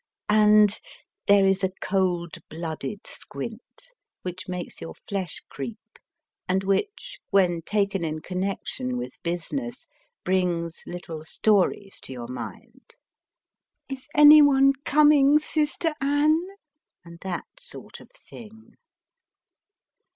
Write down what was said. And there is a cold blooded squint, which makes your flesh creep, and which, when taken in connection with busi ness, brings little stories to your mind Is anyone coming, sister Anne ? and that sort of thing.